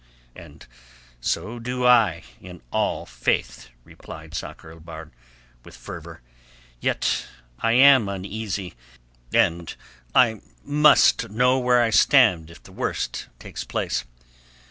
"And so do I, in all faith," replied Sakr el Bahr, with fervour. "Yet I am uneasy, and I must know where I stand if the worst takes place.